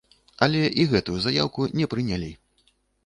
Але і гэтую заяўку не прынялі.